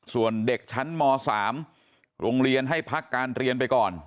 ส่วนเด็กชั้นม๓โรงเรียนให้พักการเรียนไปก่อน